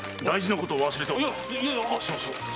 大事なことを忘れておった。